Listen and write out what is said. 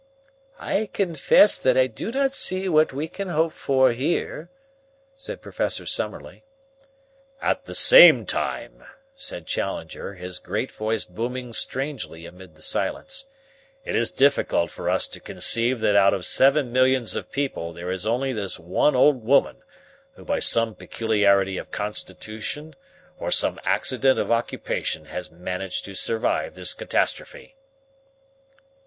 "I confess that I do not see what we can hope for here," said Professor Summerlee. "At the same time," said Challenger, his great voice booming strangely amid the silence, "it is difficult for us to conceive that out of seven millions of people there is only this one old woman who by some peculiarity of constitution or some accident of occupation has managed to survive this catastrophe."